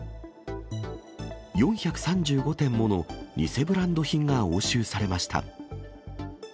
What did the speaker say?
４３５点もの偽ブランド品が押収されました。